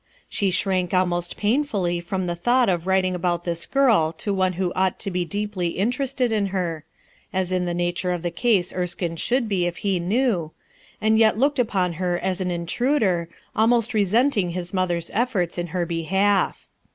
She shrank almost painfully from the thought of writing about this girl to one who ought to bo deeply interested in her, — as in the nature of the case Erskine should bo if he knew, — and yet looked upon her as an intruder, almost resenting his mother's efforts In her behalf.